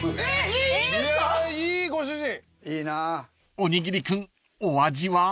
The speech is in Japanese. ［おにぎり君お味は？］